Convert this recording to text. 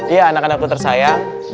ya anak anakku tersayang